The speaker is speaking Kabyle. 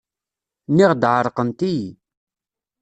Nniɣ-d ɛerqent-iyi.